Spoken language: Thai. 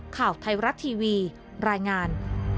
ข่าวไทยรัฐทีวีรายงาน